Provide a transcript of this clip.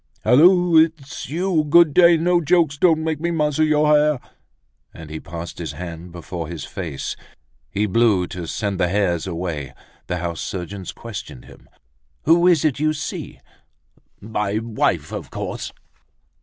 "Hallow, it's you? Good day! No jokes! Don't make me nuzzle your hair." And he passed his hand before his face, he blew to send the hairs away. The house surgeon questioned him. "Who is it you see?" "My wife, of course!"